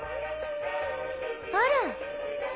あら。